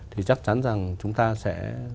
thì chắc chắn rằng chúng ta sẽ